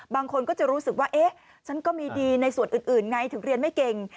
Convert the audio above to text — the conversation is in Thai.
บางคนก็จะรู้สึกว่าเอ๊ะฉันก็มีดีในส่วนอื่นไงถึงเรียนไม่เก่ง